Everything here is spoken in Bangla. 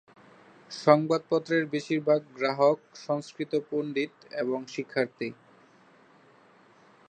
সংবাদপত্রের বেশিরভাগ গ্রাহক সংস্কৃত পণ্ডিত এবং শিক্ষার্থী।